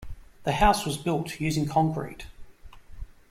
The house was built using concrete.